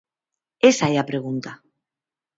Esa é a pregunta.